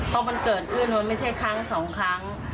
เพราะมันเกิดขึ้นมันไม่ใช่ครั้งสองครั้ง